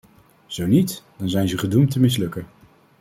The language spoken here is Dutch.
Zo niet, dan zijn ze gedoemd te mislukken.